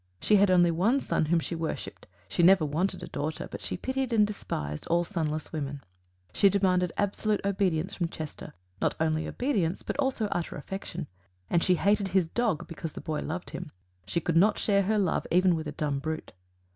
She had only one son, whom she worshipped; "she never wanted a daughter, but she pitied and despised all sonless women." She demanded absolute obedience from Chester not only obedience, but also utter affection, and she hated his dog because the boy loved him: "She could not share her love even with a dumb brute."